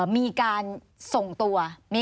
มีการส่งตัว